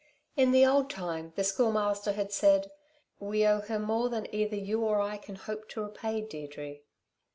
In the old time the Schoolmaster had said: "We owe her more than either you or I can hope to repay, Deirdre."